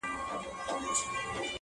شپه تر سهاره مي لېمه په الاهو زنګوم-